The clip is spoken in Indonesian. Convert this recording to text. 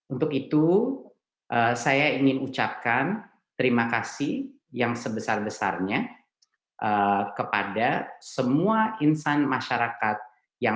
untuk itu saya ingin ucapkan terima kasih yang sebesar besaran